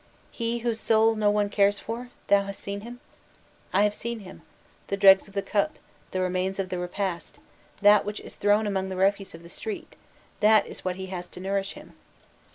'He whose soul no one cares for, thou hast seen him?' 'I have seen him; the dregs of the cup, the remains of a repast, that which is thrown among the refuse of the street, that is what he has to nourish him.